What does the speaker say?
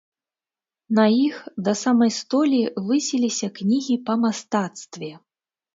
На іх да самай столі высіліся кнігі па мастацтве.